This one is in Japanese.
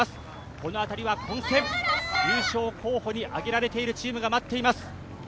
この辺りは混戦、優勝候補に挙げられている選手が待っています。